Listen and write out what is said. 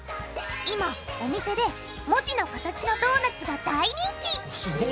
今お店で文字の形のドーナツが大人気！